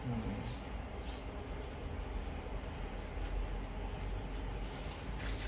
ไม่รู้สึก